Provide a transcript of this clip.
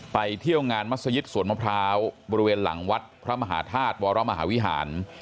เที่ยวงานมัศยิตสวนมะพร้าวบริเวณหลังวัดพระมหาธาตุวรมหาวิหาร